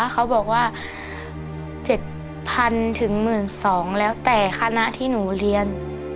เขาบอกว่า๗๐๐ถึง๑๒๐๐แล้วแต่คณะที่หนูเรียน